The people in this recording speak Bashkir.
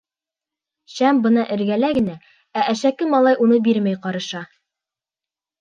Шәм бына эргәлә генә, ә әшәке малай уны бирмәй ҡарыша!